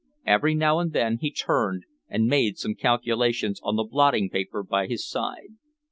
Every now and then he turned and made some calculations on the blotting paper by his side.